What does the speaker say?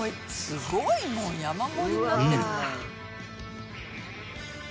「すごいもう山盛りになってるんじゃないの」